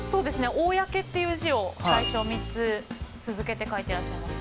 「公」っていう字を最初３つ続けて書いていらっしゃいます。